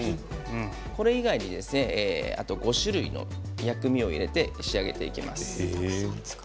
これ以外に、あと５種類の薬味を入れて仕上げていきます。